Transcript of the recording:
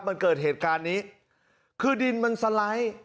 มันเกิดเหตุการณ์นี้คือดินมันสไลด์